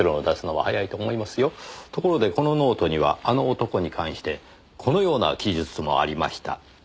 ところでこのノートには「あの男」に関してこのような記述もありました。